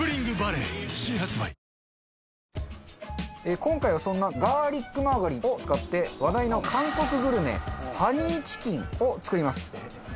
今回はそんなガーリックマーガリンを使って話題の韓国グルメハニーチキンを作ります。